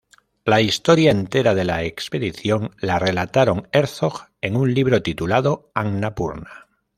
La historia entera de la expedición la relataron Herzog en un libro titulado “"Annapurna.